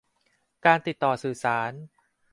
การติดต่อสื่อสาร